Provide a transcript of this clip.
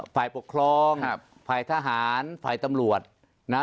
ฝ่ายปกครองฝ่ายทหารฝ่ายตำรวจนะ